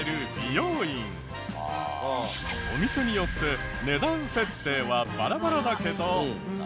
お店によって値段設定はバラバラだけど。